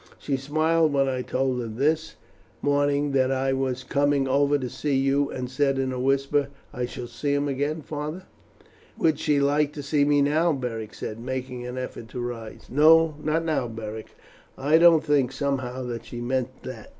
She smiled when I told her this morning that I was coming over to see you, and said in a whisper, 'I shall see him again, father.'" "Would she like to see me now?" Beric said, making an effort to rise. "No, not now, Beric. I don't think somehow that she meant that.